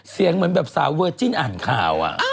เสียงเหมือนแบบซาวเวอร์จิ้นอาหารข้าว